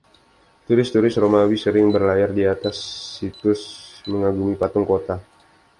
Turis-turis Romawi sering berlayar di atas situs, mengagumi patung kota.